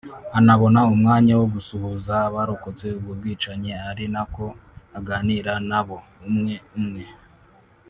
anabona umwanya wo gusuhuza abarokotse ubwo bwicanyi ari nako aganira nabo umwe umwe